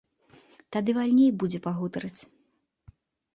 Тады вальней будзе пагутарыць.